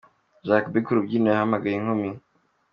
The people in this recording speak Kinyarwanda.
Jack B ku rubyiniro yahamagaye inkumi.